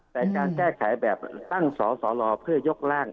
แต่การแก้ไขแบบตั้งศาลรอภ์เพื่อยกแล่ง